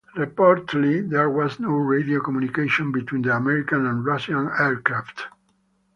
Reportedly, there was no radio communication between the American and Russian aircraft.